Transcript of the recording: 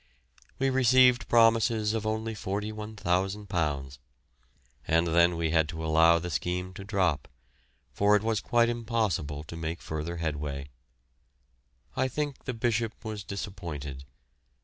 We received promises of only £41,000, and then we had to allow the scheme to drop, for it was quite impossible to make further headway. I think the Bishop was disappointed.